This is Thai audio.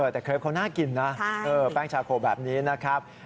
แต่เครปเขาน่ากินนะแป้งชาโคแบบนี้นะครับ